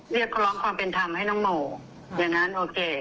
เรียกร้องความเป็นธรรมให้น้องโม